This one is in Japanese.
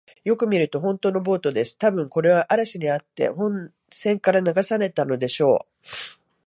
よく見ると、ほんとのボートです。たぶん、これは嵐にあって本船から流されたのでしょう。